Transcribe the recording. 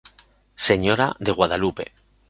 Señora de Guadalupe.